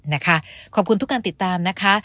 นะคะขอบคุณทุกการติดตามนะคะ